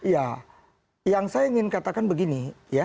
ya yang saya ingin katakan begini